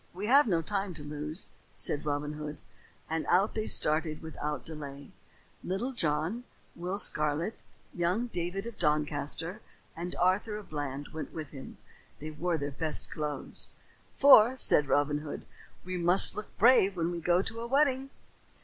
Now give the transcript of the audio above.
We have no time to lose," said Robin Hood; and out they started without delay. Little John, Will Scarlet, young David of Doncaster, and Arthur a Bland went with him. They wore their best clothes. "For," said Robin Hood, "we must look brave when we go to a wedding."